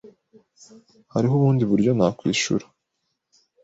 Hariho ubundi buryo nakwishura?